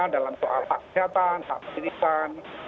dalam soal hak kesehatan hak pendidikan